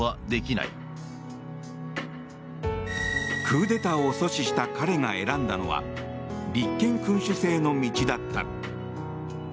クーデターを阻止した彼が選んだのは立憲君主制の道だった。